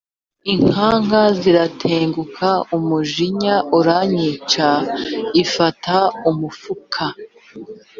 Inkanka ziratenguka umujinya urayica, ifata umufuka